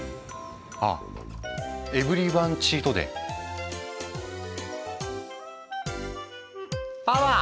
あっエブリワンチートデー！パワー！